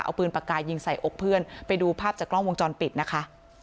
เอาปืนปากกายิงใส่อกเพื่อนไปดูภาพจากกล้องวงจรปิดนะคะ